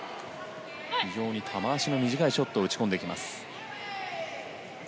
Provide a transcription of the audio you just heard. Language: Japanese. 非常に球足の短いショットを打ち込んできます。